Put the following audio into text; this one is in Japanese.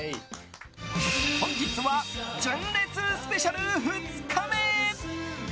本日は純烈スペシャル２日目！